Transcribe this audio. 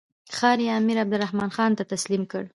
ښار یې امیر عبدالرحمن خان ته تسلیم کړ.